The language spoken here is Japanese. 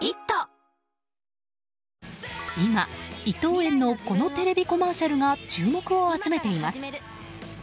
今、伊藤園のこのテレビコマーシャルが注目を集めています。